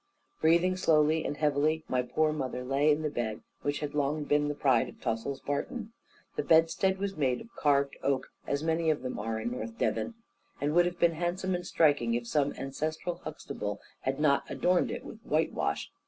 Breathing slowly and heavily, my poor mother lay in the bed which had long been the pride of Tossil's Barton. The bedstead was made of carved oak, as many of them are in North Devon, and would have been handsome and striking, if some ancestral Huxtable had not adorned it with whitewash.